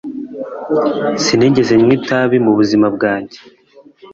Sinigeze nywa itabi mu buzima bwanjye.